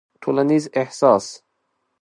ټولنيز احساس